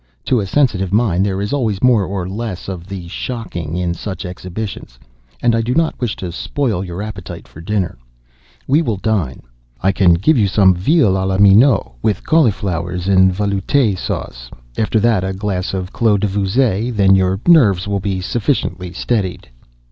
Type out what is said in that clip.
To a sensitive mind there is always more or less of the shocking in such exhibitions; and I do not wish to spoil your appetite for dinner. We will dine. I can give you some veal a la Menehoult, with cauliflowers in velouté sauce—after that a glass of Clos de Vougeot—then your nerves will be sufficiently steadied."